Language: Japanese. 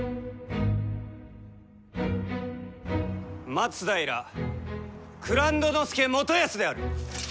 松平蔵人佐元康である！